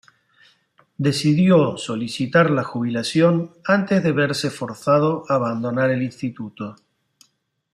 Decidió solicitar la jubilación antes de verse forzado a abandonar el Instituto.